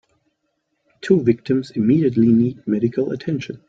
Two victims immediately need medical attention.